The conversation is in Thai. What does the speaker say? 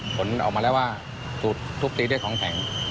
ผลออกมาแล้วว่าตูปตีด้วยของแผง